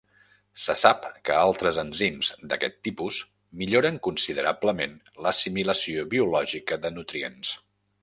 Se sap que altres enzims d'aquest tipus milloren considerablement l'assimilació biològica de nutrients.